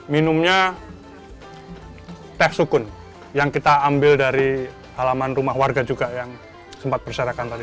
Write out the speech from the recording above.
minumnya teh sukun yang kita ambil dari halaman rumah warga juga yang sempat berserakan tadi